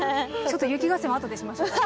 雪合戦はあとでしましょうか。